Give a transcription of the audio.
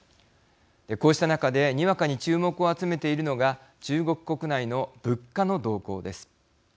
こうした中でにわかに注目を集めているのが中国国内の物価の動向です。